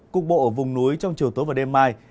cục bộ ở vùng núi trong chiều tối và đêm mai